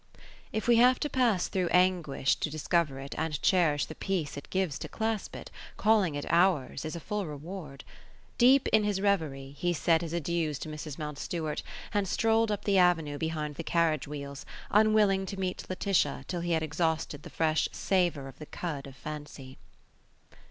If we have to pass through anguish to discover it and cherish the peace it gives to clasp it, calling it ours, is a full reward. Deep in his reverie, he said his adieus to Mrs. Mountstuart, and strolled up the avenue behind the carriage wheels, unwilling to meet Laetitia till he had exhausted the fresh savour of the cud of fancy.